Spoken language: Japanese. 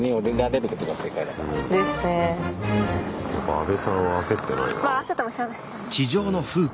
アベさんは焦ってないなあ。